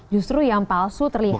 justru yang palsu terlihat